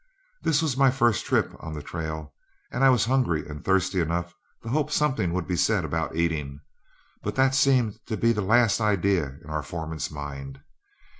This was my first trip on the trail, and I was hungry and thirsty enough to hope something would be said about eating, but that seemed to be the last idea in our foreman's mind.